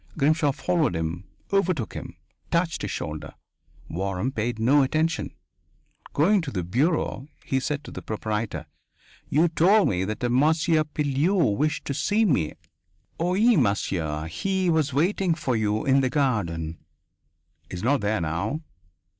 Grimshaw followed him, overtook him, touched his shoulder. Waram paid no attention. Going to the bureau he said to the proprietor: "You told me that a Monsieur Pilleux wished to see me." "Oui, monsieur. He was waiting for you in the garden." "He is not there now."